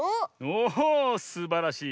おすばらしい。